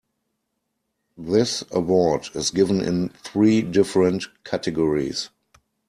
This award is given in three different categories.